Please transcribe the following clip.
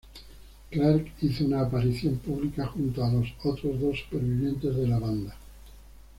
Clark, hizo una aparición pública junto a los otros dos supervivientes de la banda.